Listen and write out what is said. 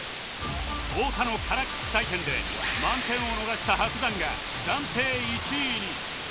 太田の辛口採点で満点を逃した伯山が暫定１位に